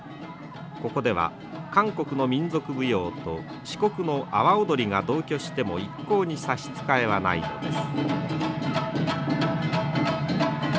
ここでは韓国の民族舞踊と四国の阿波おどりが同居しても一向に差し支えはないのです。